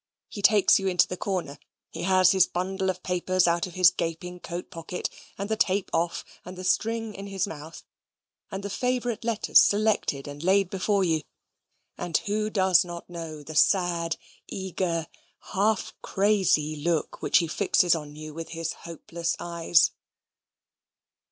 He takes you into the corner; he has his bundle of papers out of his gaping coat pocket; and the tape off, and the string in his mouth, and the favourite letters selected and laid before you; and who does not know the sad eager half crazy look which he fixes on you with his hopeless eyes?